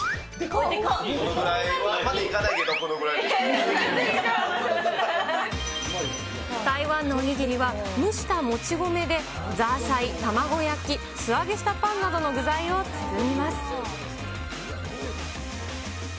そこまでいかないけど、台湾のお握りは、蒸したもち米でザーサイ、卵焼き、素揚げしたパンなどの具材を包みます。